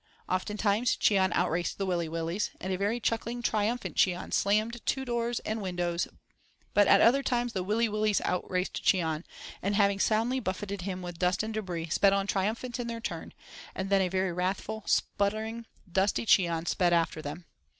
Oftentimes Cheon outraced the Willy Willys, and a very chuckling, triumphant Cheon slammed to doors and windows, but at other times, the Willy Willys outraced Cheon, and, having soundly buffeted him with dust and debris, sped on triumphant in their turn, and then a very wrathful, spluttering, dusty Cheon sped after them.